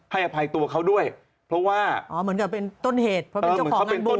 อภัยตัวเขาด้วยเพราะว่าอ๋อเหมือนกับเป็นต้นเหตุเพราะเป็นเจ้าของ